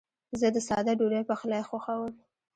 زه د ساده ډوډۍ پخلی خوښوم.